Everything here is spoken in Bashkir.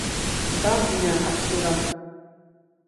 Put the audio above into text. Дан һиңә, Аҡсура!